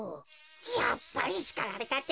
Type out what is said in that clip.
やっぱりしかられたってか。